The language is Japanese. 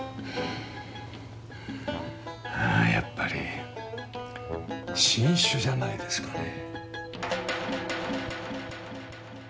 うんやっぱり新種じゃないですかね。